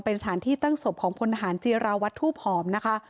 เป็นสถานที่ตั้งศพของพลทหารจีราวัตรทูบหอมนะคะ